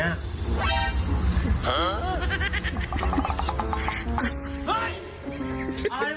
อะไรแบบนี้